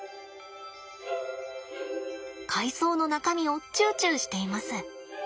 海藻の中身をチュウチュウしています。